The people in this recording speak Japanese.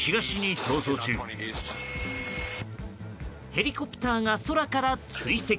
ヘリコプターが空から追跡。